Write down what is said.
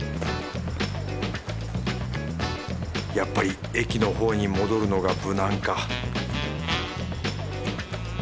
やっぱり駅のほうに戻るのが無難か